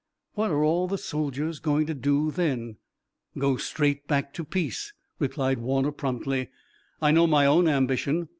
What are all the soldiers going to do then?" "Go straight back to peace," replied Warner promptly. "I know my own ambition.